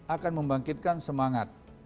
akan membangkitkan semangat